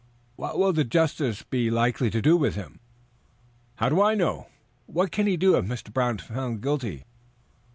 "What will the justice be likely to do with him?" "How do I know?" "What can he do if Mr. Brown is found guilty?"